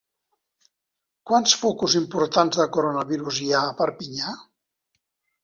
Quants focus importants de coronavirus hi ha a Perpinyà?